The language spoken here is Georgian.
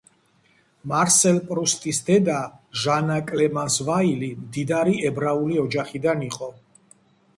მარსელ პრუსტის დედა, ჟანა კლემანს ვაილი, მდიდარი ებრაული ოჯახიდან იყო.